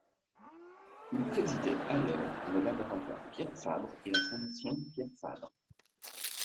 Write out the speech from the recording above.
Il présidait alors les Laboratoires Pierre Fabre et la Fondation Pierre Fabre.